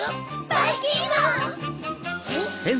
ばいきんまん⁉ん？